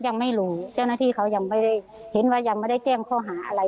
ยังไม่รู้เจ้าหน้าที่เขายังไม่ได้เห็นว่ายังไม่ได้แจ้งข้อหาอะไร